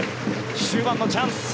終盤のチャンス